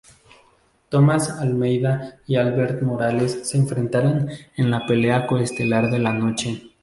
Thomas Almeida y Albert Morales se enfrentaron en la pelea coestelar de la noche.